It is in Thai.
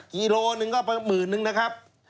กิโลนึงก็เป็นหมื่นนึงนะครับ